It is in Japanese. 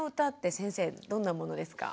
先生どんなものですか？